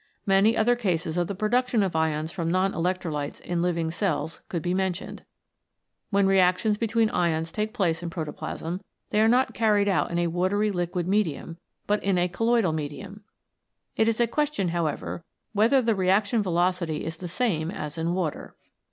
Many other cases of the production of ions from non electrolytes in living cells could be mentioned. When reactions between ions take place in protoplasm, they are not carried out in a watery liquid medium, but in a colloidal medium. It is a question, however, whether the Reaction Velocity is the same as in water.